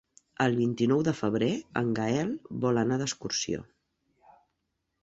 El vint-i-nou de febrer en Gaël vol anar d'excursió.